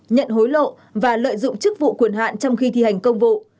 nhận hối lộ và lợi dụng chức vụ quyền hạn trong khi thi hành công vụ